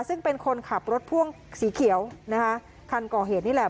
ซึ่งเป็นคนขับรถพ่วงสีเขียวนะคะคันก่อเหตุนี่แหละ